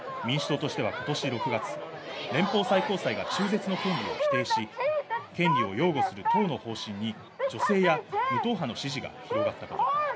民主党としては今年６月、連邦最高裁が中絶の権利を否定し、権利を擁護する党の方針に女性や無党派の支持が広がったこと。